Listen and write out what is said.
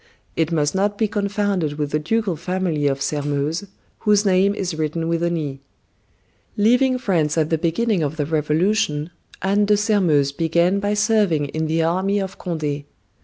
It must not be confounded with the ducal family of Sermeuse, whose name is written with an 'e.' Leaving France at the beginning of the Revolution, Anne de Sairmeuse began by serving in the army of Conde.